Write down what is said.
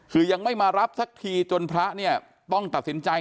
คือยังไม่มารับสักทีจนพระเนี่ยต้องตัดสินใจ